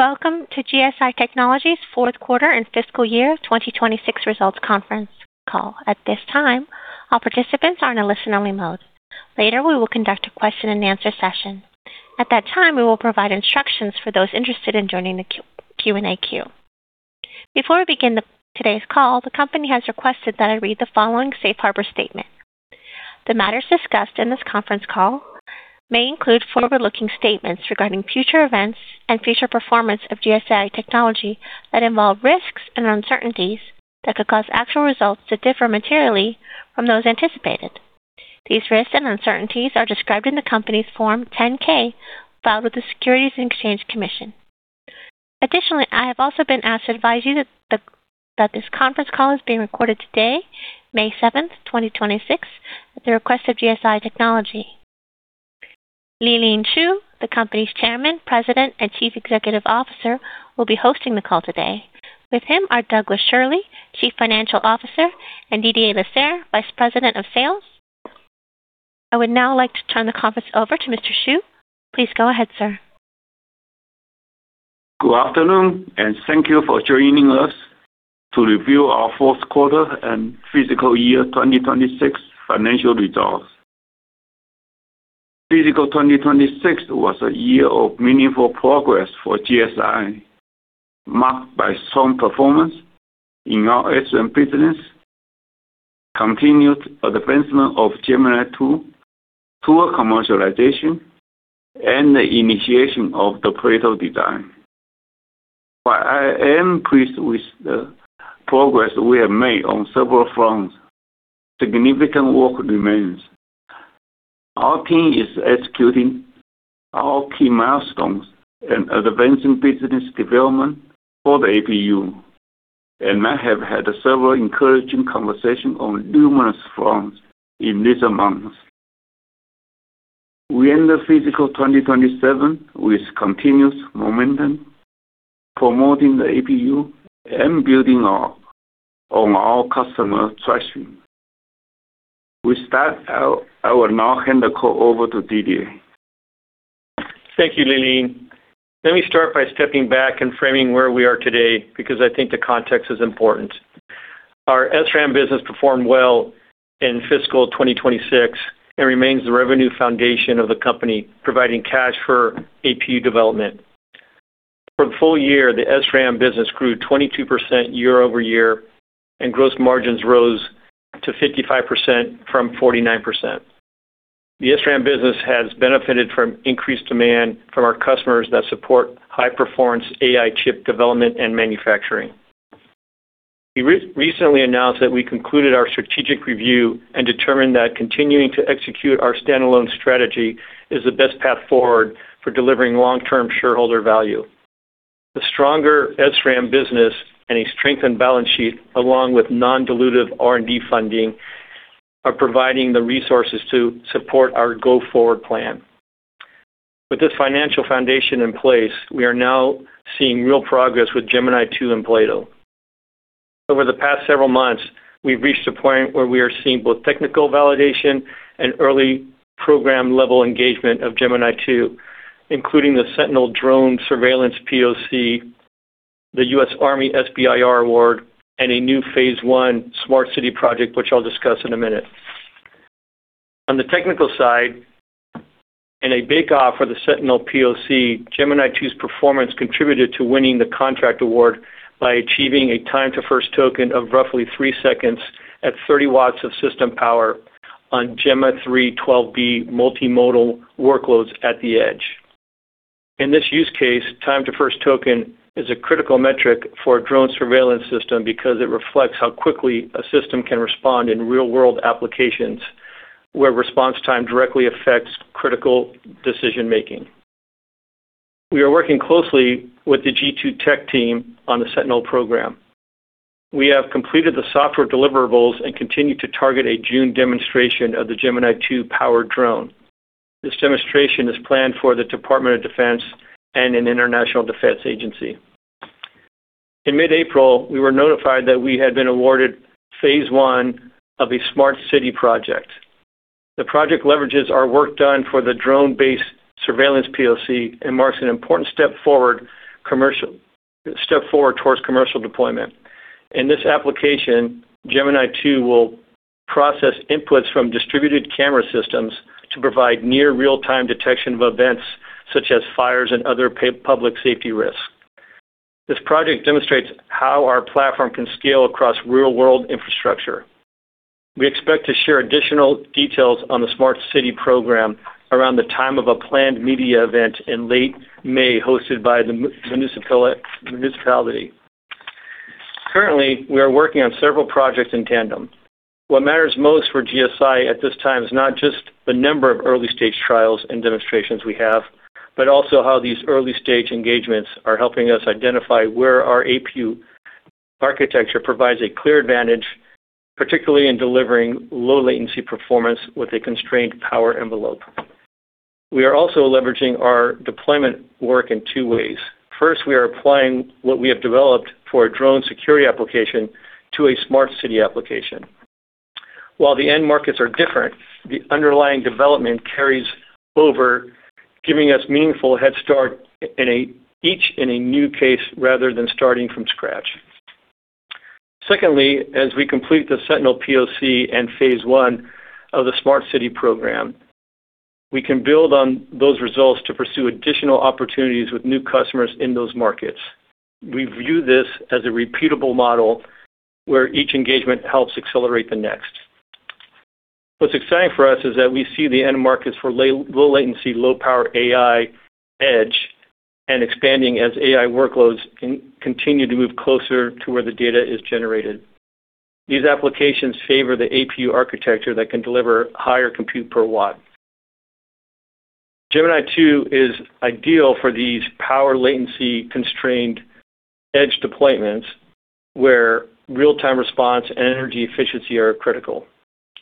Welcome to GSI Technology's fourth quarter and fiscal year 2026 results conference call. At this time, all participants are in a listen-only mode. Later, we will conduct a question-and-answer session. At that time, we will provide instructions for those interested in joining the Q&A queue. Before we begin today's call, the company has requested that I read the following safe harbor statement. The matters discussed in this conference call may include forward-looking statements regarding future events and future performance of GSI Technology that involve risks and uncertainties that could cause actual results to differ materially from those anticipated. These risks and uncertainties are described in the company's Form 10-K filed with the Securities and Exchange Commission. Additionally, I have also been asked to advise you that this conference call is being recorded today, May 7th, 2026, at the request of GSI Technology. Lee-Lean Shu, the company's Chairman, President, and Chief Executive Officer, will be hosting the call today. With him are Douglas Schirle, Chief Financial Officer, and Didier Lasserre, Vice President of Sales. I would now like to turn the conference over to Mr. Shu. Please go ahead, sir. Good afternoon, thank you for joining us to review our fourth quarter and fiscal year 2026 financial results. Fiscal 2026 was a year of meaningful progress for GSI, marked by strong performance in our SRAM business, continued advancement of Gemini-II toward commercialization, and the initiation of the Plato design. While I am pleased with the progress we have made on several fronts, significant work remains. Our team is executing our key milestones and advancing business development for the APU, and I have had several encouraging conversations on numerous fronts in recent months. We end the fiscal 2027 with continuous momentum, promoting the APU and building on our customer traction. With that, I will now hand the call over to Didier Lasserre. Thank you, Lee-Lean. Let me start by stepping back and framing where we are today because I think the context is important. Our SRAM business performed well in fiscal 2026 and remains the revenue foundation of the company, providing cash for APU development. For the full-year, the SRAM business grew 22% year-over-year, and gross margins rose to 55% from 49%. The SRAM business has benefited from increased demand from our customers that support high-performance AI chip development and manufacturing. We recently announced that we concluded our strategic review and determined that continuing to execute our standalone strategy is the best path forward for delivering long-term shareholder value. The stronger SRAM business and a strengthened balance sheet, along with non-dilutive R&D funding, are providing the resources to support our go-forward plan. With this financial foundation in place, we are now seeing real progress with Gemini-II and Plato. Over the past several months, we've reached a point where we are seeing both technical validation and early program-level engagement of Gemini-II, including the Sentinel Drone Surveillance POC, the US Army SBIR Award, and a new phase I smart city project, which I'll discuss in a minute. On the technical side, in a bake-off for the Sentinel POC, Gemini-II's performance contributed to winning the contract award by achieving a time to first token of roughly three seconds at 30 W of system power on Gemma 3.12B multimodal workloads at the edge. In this use case, time to first token is a critical metric for a drone surveillance system because it reflects how quickly a system can respond in real-world applications where response time directly affects critical decision-making. We are working closely with the G2 Tech team on the Sentinel program. We have completed the software deliverables and continue to target a June demonstration of the Gemini-II-powered drone. This demonstration is planned for the Department of Defense and an international defense agency. In mid-April, we were notified that we had been awarded phase I of a smart city project. The project leverages our work done for the drone-based surveillance POC and marks an important step forward towards commercial deployment. In this application, Gemini-II will process inputs from distributed camera systems to provide near real-time detection of events such as fires and other public safety risks. This project demonstrates how our platform can scale across real-world infrastructure. We expect to share additional details on the smart city program around the time of a planned media event in late May hosted by the municipality. Currently, we are working on several projects in tandem. What matters most for GSI Technology at this time is not just the number of early-stage trials and demonstrations we have, but also how these early-stage engagements are helping us identify where our APU architecture provides a clear advantage, particularly in delivering low latency performance with a constrained power envelope. We are also leveraging our deployment work in two ways. First, we are applying what we have developed for a drone security application to a smart city application. While the end markets are different, the underlying development carries over, giving us meaningful head start in each in a new case rather than starting from scratch. Secondly, as we complete the Sentinel POC and phase I of the smart city program, we can build on those results to pursue additional opportunities with new customers in those markets. We view this as a repeatable model where each engagement helps accelerate the next. What's exciting for us is that we see the end markets for low latency, low power AI edge and expanding as AI workloads continue to move closer to where the data is generated. These applications favor the APU architecture that can deliver higher compute per watt. Gemini-II is ideal for these power latency constrained edge deployments, where real-time response and energy efficiency are critical.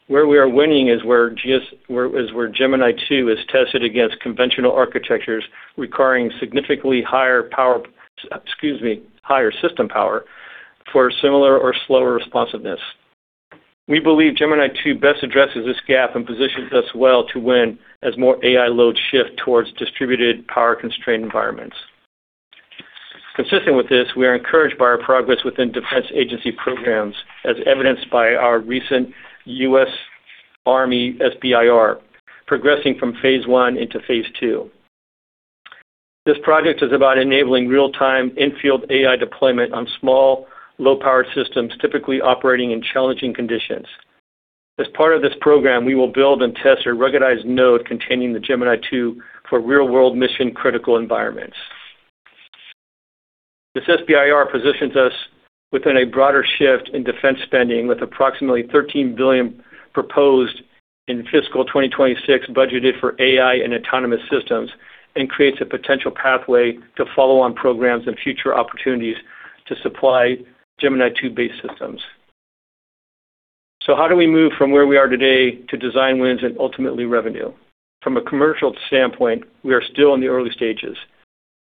Where we are winning is where Gemini-II is tested against conventional architectures requiring significantly higher power, excuse me, higher system power for similar or slower responsiveness. We believe Gemini-II best addresses this gap and positions us well to win as more AI loads shift towards distributed power constrained environments. Consistent with this, we are encouraged by our progress within defense agency programs, as evidenced by our recent US Army SBIR progressing from phase I into phase II. This project is about enabling real-time in-field AI deployment on small, low-powered systems, typically operating in challenging conditions. As part of this program, we will build and test a ruggedized node containing the Gemini-II for real-world mission critical environments. This SBIR positions us within a broader shift in defense spending, with approximately $13 billion proposed in fiscal 2026 budgeted for AI and autonomous systems, and creates a potential pathway to follow on programs and future opportunities to supply Gemini-II-based systems. How do we move from where we are today to design wins and ultimately revenue? From a commercial standpoint, we are still in the early stages.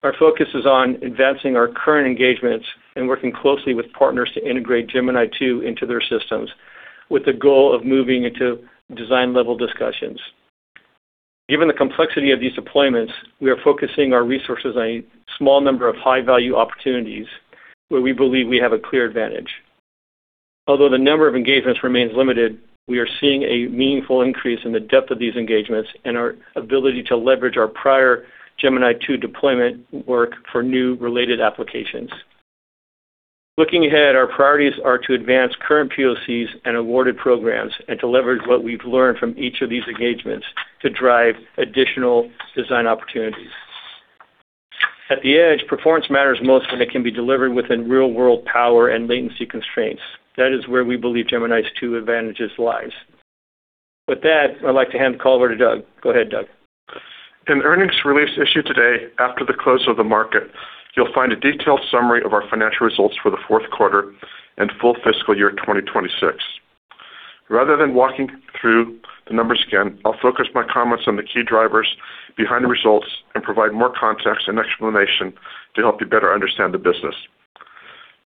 Our focus is on advancing our current engagements and working closely with partners to integrate Gemini-II into their systems with the goal of moving into design level discussions. Given the complexity of these deployments, we are focusing our resources on a small number of high value opportunities where we believe we have a clear advantage. The number of engagements remains limited, we are seeing a meaningful increase in the depth of these engagements and our ability to leverage our prior Gemini-II deployment work for new related applications. Looking ahead, our priorities are to advance current POCs and awarded programs and to leverage what we've learned from each of these engagements to drive additional design opportunities. At the edge, performance matters most when it can be delivered within real-world power and latency constraints. That is where we believe Gemini-II's advantages lies. With that, I'd like to hand the call over to Doug. Go ahead, Doug. In earnings release issued today after the close of the market, you'll find a detailed summary of our financial results for the fourth quarter and full fiscal year 2026. Rather than walking through the numbers again, I'll focus my comments on the key drivers behind the results and provide more context and explanation to help you better understand the business.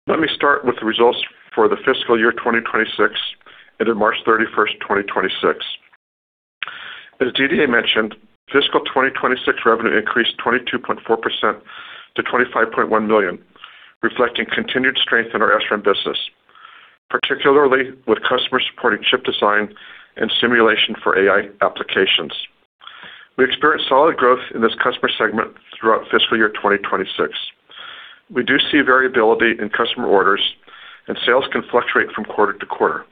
Let me start with the results for the fiscal year 2026, ended March 31st, 2026. As Didier mentioned, fiscal 2026 revenue increased 22.4% to $25.1 million, reflecting continued strength in our SRAM business, particularly with customer-supported chip design and simulation for AI applications. We experienced solid growth in this customer segment throughout fiscal year 2026. We do see variability in customer orders, and sales can fluctuate from quarter to quarter.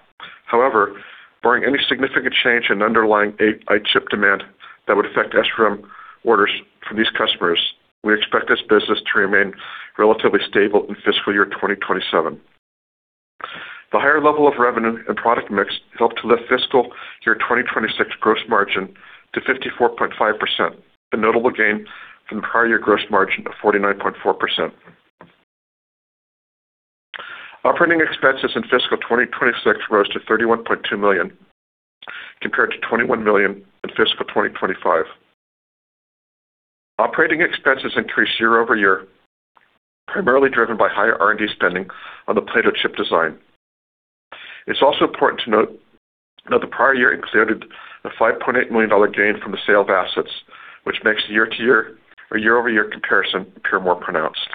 However, barring any significant change in underlying AI chip demand that would affect SRAM orders from these customers, we expect this business to remain relatively stable in fiscal year 2027. The higher level of revenue and product mix helped to lift fiscal year 2026 gross margin to 54.5%, a notable gain from the prior year gross margin of 49.4%. Operating expenses in fiscal 2026 rose to $31.2 million, compared to $21 million in fiscal 2025. Operating expenses increased year-over-year, primarily driven by higher R&D spending on the Plato chip design. It's also important to note the prior year included a $5.8 million gain from the sale of assets, which makes the year-to-year or year-over-year comparison appear more pronounced.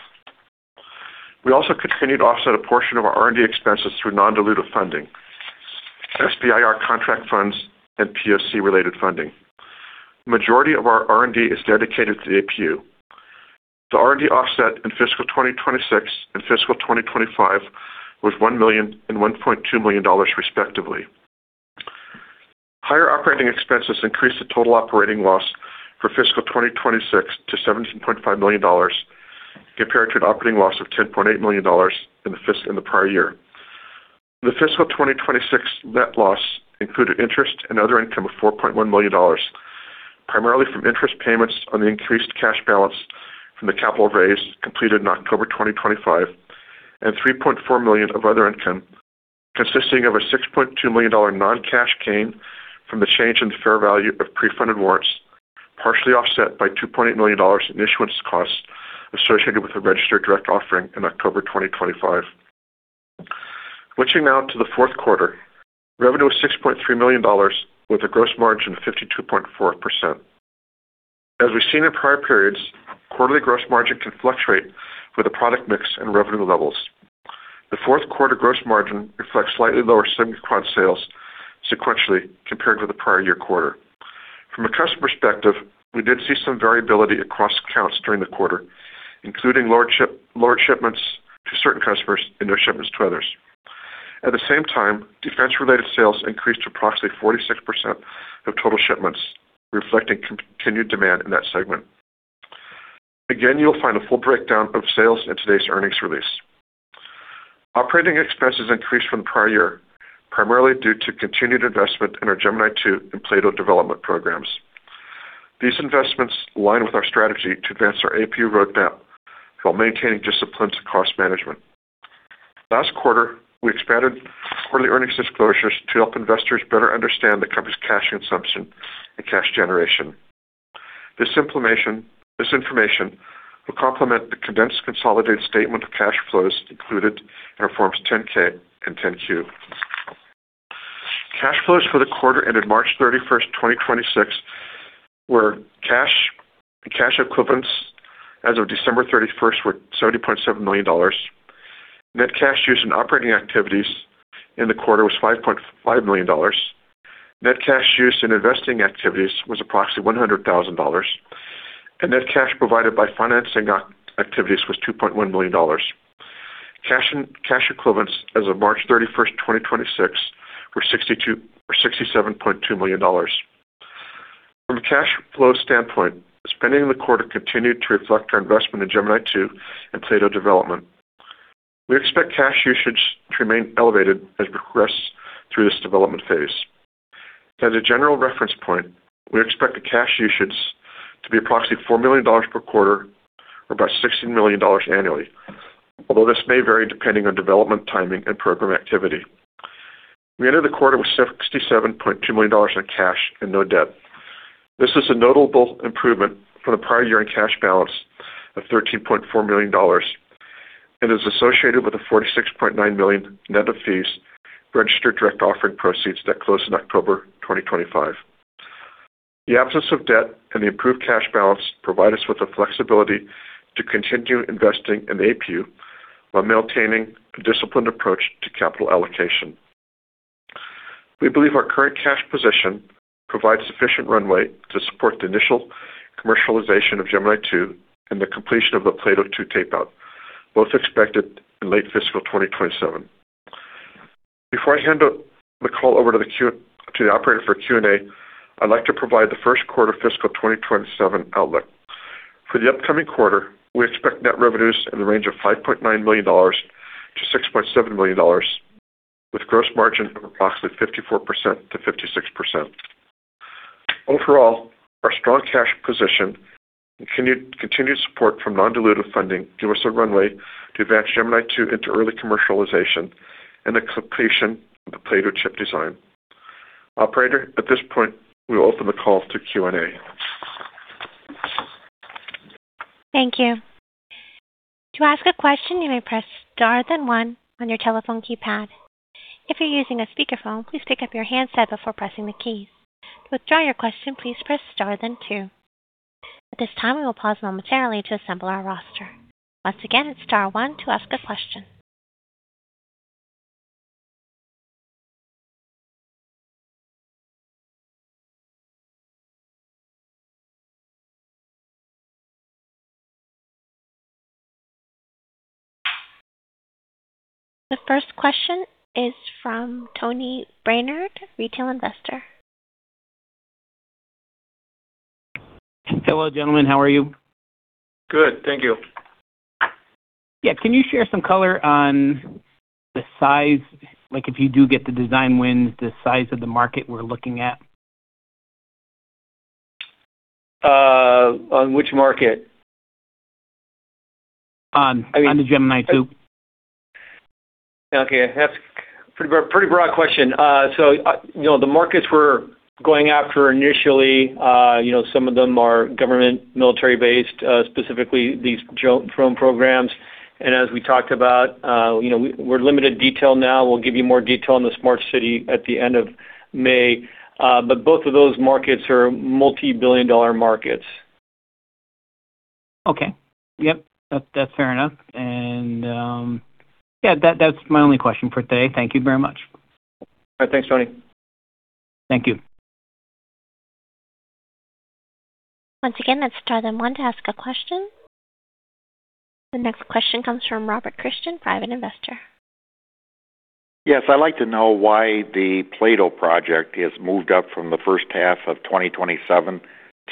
We also continued to offset a portion of our R&D expenses through non-dilutive funding, SBIR contract funds, and POC related funding. Majority of our R&D is dedicated to the APU. The R&D offset in fiscal 2026 and fiscal 2025 was $1 million and $1.2 million, respectively. Higher operating expenses increased the total operating loss for fiscal 2026 to $17.5 million, compared to an operating loss of $10.8 million in the prior year. The fiscal 2026 net loss included interest and other income of $4.1 million, primarily from interest payments on the increased cash balance from the capital raise completed in October 2025, and $3.4 million of other income, consisting of a $6.2 million non-cash gain from the change in fair value of pre-funded warrants. Partially offset by $2.8 million in issuance costs associated with a registered direct offering in October 2025. Switching now to the fourth quarter. Revenue was $6.3 million, with a gross margin of 52.4%. As we've seen in prior periods, quarterly gross margin can fluctuate with the product mix and revenue levels. The fourth quarter gross margin reflects slightly lower SigmaQuad sales sequentially compared with the prior year quarter. From a customer perspective, we did see some variability across accounts during the quarter, including lower shipments to certain customers and no shipments to others. At the same time, defense-related sales increased to approximately 46% of total shipments, reflecting continued demand in that segment. Again, you'll find a full breakdown of sales in today's earnings release. Operating expenses increased from the prior year, primarily due to continued investment in our Gemini-II and Plato development programs. These investments align with our strategy to advance our APU roadmap while maintaining discipline to cost management. Last quarter, we expanded quarterly earnings disclosures to help investors better understand the company's cash consumption and cash generation. This information will complement the condensed consolidated statement of cash flows included in our forms 10-K and 10-Q. Cash flows for the quarter ended March 31st, 2026, were cash and cash equivalents as of December 31st were $70.7 million. Net cash used in operating activities in the quarter was $5.5 million. Net cash used in investing activities was approximately $100,000. Net cash provided by financing activities was $2.1 million. Cash and cash equivalents as of March 31st, 2026, were $67.2 million. From a cash flow standpoint, spending in the quarter continued to reflect our investment in Gemini-II and Plato development. We expect cash usage to remain elevated as we progress through this development phase. As a general reference point, we expect the cash usage to be approximately $4 million per quarter or about $16 million annually, although this may vary depending on development timing and program activity. We ended the quarter with $67.2 million in cash and no debt. This is a notable improvement from the prior year-end cash balance of $13.4 million and is associated with the $46.9 million net of fees registered direct offering proceeds that closed in October 2025. The absence of debt and the improved cash balance provide us with the flexibility to continue investing in the APU while maintaining a disciplined approach to capital allocation. We believe our current cash position provides sufficient runway to support the initial commercialization of Gemini-II and the completion of the Plato tape-out, both expected in late fiscal 2027. Before I hand the call over to the operator for Q&A, I'd like to provide the first quarter fiscal 2027 outlook. For the upcoming quarter, we expect net revenues in the range of $5.9 million-$6.7 million, with gross margin of approximately 54%-56%. Overall, our strong cash position and continued support from non-dilutive funding give us a runway to advance Gemini-II into early commercialization and the completion of the Plato chip design. Operator, at this point, we will open the call to Q&A. Thank you. To ask a question, you may press star then one on your telephone keypad. If you're using a speakerphone, please pick up your handset before pressing the keys. To withdraw your question, please press star then two. At this time, we will pause momentarily to assemble our roster. Once again, it's star one to ask a question. The first question is from Tony Brainard, retail investor. Hello, gentlemen. How are you? Good, thank you. Yeah. Can you share some color on the size, like if you do get the design wins, the size of the market we're looking at? On which market? On, on the Gemini-II. Okay. That's pretty broad, pretty broad question. You know, the markets we're going after initially, you know, some of them are government, military-based, specifically these drone programs. As we talked about, you know, we're limited detail now. We'll give you more detail on the smart city at the end of May. Both of those markets are multi-billion-dollar markets. Okay. Yep. That's fair enough. Yeah, that's my only question for today. Thank you very much. All right. Thanks, Tony. Thank you. Once again, that's star then one to ask a question. The next question comes from Robert Christian, private investor. Yes, I'd like to know why the Plato project has moved up from the first half of 2027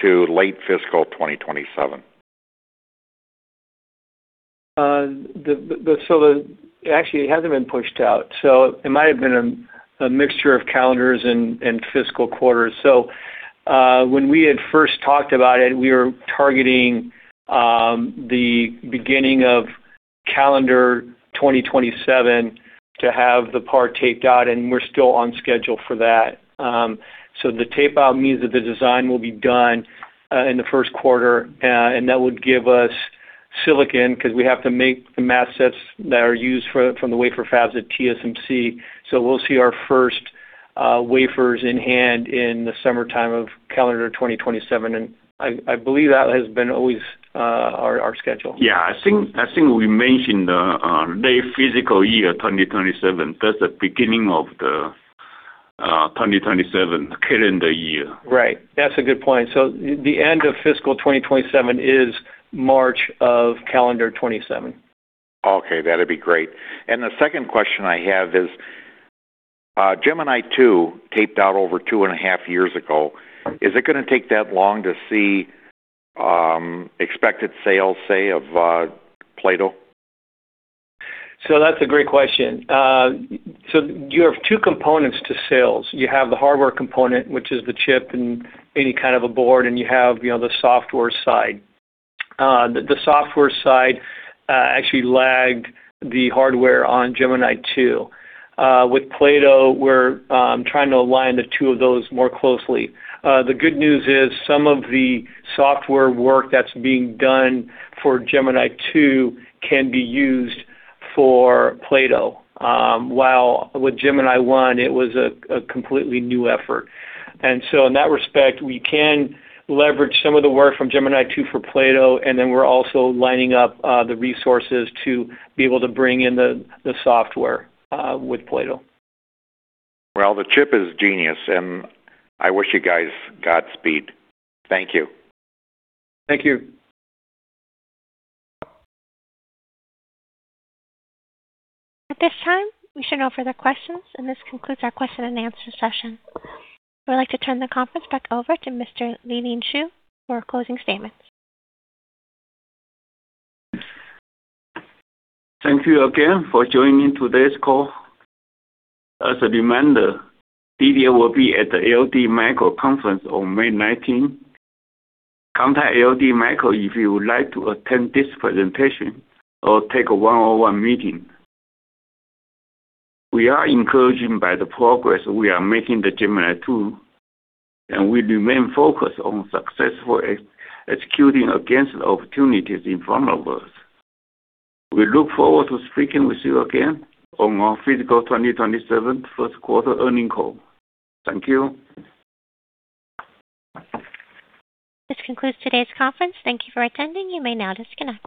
to late fiscal 2027. Actually, it hasn't been pushed out, so it might have been a mixture of calendars and fiscal quarters. When we had first talked about it, we were targeting the beginning of. Calendar 2027 to have the Plato taped out, and we're still on schedule for that. The tape out means that the design will be done in the first quarter, and that would give us silicon 'cause we have to make the mask sets that are used from the wafer fabs at TSMC. We'll see our first wafers in hand in the summertime of calendar 2027, and I believe that has been always our schedule. Yeah, I think we mentioned the fiscal year 2027. That's the beginning of the 2027 calendar year. Right. That's a good point. The end of fiscal 2027 is March of calendar 2027. Okay, that'd be great. The second question I have is, Gemini-II taped out over two and a half years ago. Is it gonna take that long to see expected sales, say, of Plato? That's a great question. You have two components to sales. You have the hardware component, which is the chip and any kind of a board, and you have, you know, the software side. The software side actually lagged the hardware on Gemini-II. With Plato, we're trying to align the two of those more closely. The good news is some of the software work that's being done for Gemini-II can be used for Plato, while with Gemini-I, it was a completely new effort. In that respect, we can leverage some of the work from Gemini-II for Plato, and then we're also lining up the resources to be able to bring in the software with Plato. Well, the chip is genius, and I wish you guys Godspeed. Thank you. Thank you. At this time, we show no further questions, and this concludes our question and answer session. I would like to turn the conference back over to Mr. Lee-Lean Shu for closing statements. Thank you again for joining today's call. As a reminder, Didier will be at the LD Micro conference on May 19th. Contact LD Micro if you would like to attend this presentation or take a one on one meeting. We are encouraged by the progress we are making with Gemini-II, we remain focused on successfully executing against the opportunities in front of us. We look forward to speaking with you again on our fiscal 2027 first quarter earning call. Thank you. This concludes today's conference. Thank you for attending. You may now disconnect.